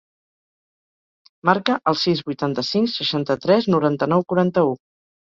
Marca el sis, vuitanta-cinc, seixanta-tres, noranta-nou, quaranta-u.